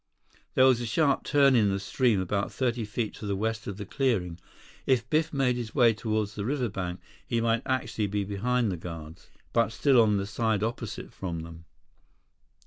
There was a sharp turn in the stream about thirty feet to the west of the clearing. If Biff made his way toward the riverbank, he might actually be behind the guards, but still on the side opposite from them.